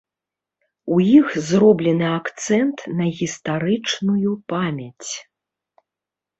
У іх зроблены акцэнт на гістарычнаю памяць.